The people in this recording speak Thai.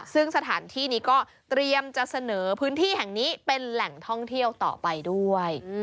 ซึ่งสถานที่นี้ก็เตรียมจะเสนอพื้นที่แห่งนี้เป็นแหล่งท่องเที่ยวต่อไปด้วย